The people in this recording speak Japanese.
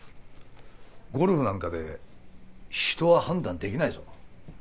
ゴルフなんかで人は判断できないぞ。